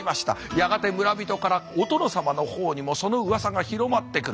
やがて村人からお殿様の方にもそのうわさが広まってくる。